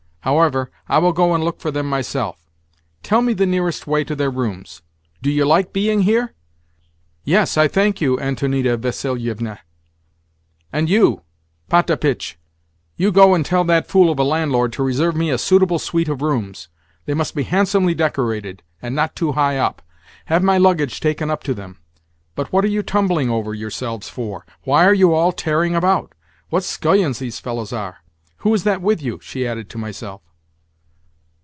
However, I will go and look for them myself. Tell me the nearest way to their rooms. Do you like being here?" "Yes, I thank you, Antonida Vassilievna." "And you, Potapitch, you go and tell that fool of a landlord to reserve me a suitable suite of rooms. They must be handsomely decorated, and not too high up. Have my luggage taken up to them. But what are you tumbling over yourselves for? Why are you all tearing about? What scullions these fellows are!—Who is that with you?" she added to myself.